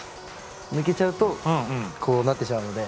抜けちゃうと、こうなってしまうので。